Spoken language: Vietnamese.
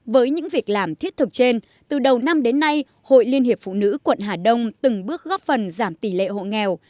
với những việc làm thiết thực trên từ đầu năm đến nay hội liên hiệp phụ nữ quận hà đông từng bước góp phần giảm tỷ lệ hộ nghèo